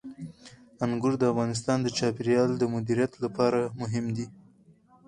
انګور د افغانستان د چاپیریال د مدیریت لپاره مهم دي.